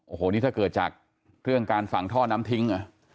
โอ้โหนะต้องเกิดจากการฝั่งท่อน้ำทิ้ง